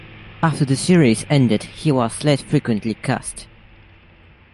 After the series ended, he was less frequently cast.